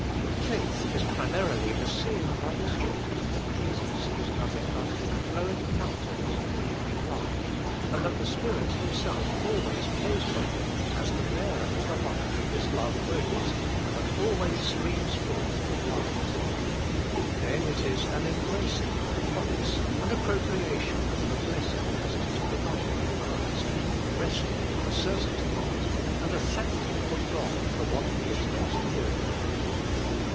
Faith is primarily a seeing by the Spirit that Jesus is nothing but a flowing fountain of the divine love, and that the Spirit Himself always flows from Him as the Bearer of the life that this love brings and that always streams forth in love. Then it is an embracing of the promise, an appropriation of the blessing as it is provided in Christ, a resting in the certainty of it, and a thanking of God for what He is yet to do.